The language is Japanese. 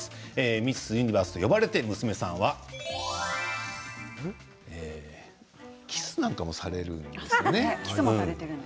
ミス・ユニバースと呼ばれて娘さんはキスなんかもされるんですね。